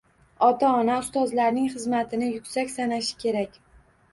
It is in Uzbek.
Ota-ona ustozlarning xizmatini yuksak sanashi kerak